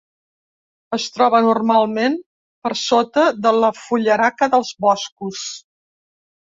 Es troba normalment per sota de la fullaraca dels boscos.